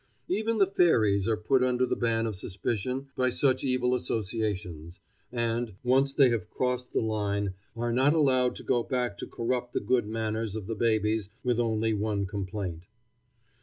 Even the fairies are put under the ban of suspicion by such evil associations, and, once they have crossed the line, are not allowed to go back to corrupt the good manners of the babies with only one complaint.